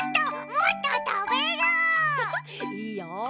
いいよ！